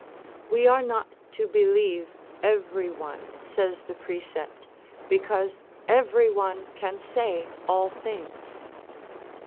We are not to believe every one, says the precept, because every one can say all things.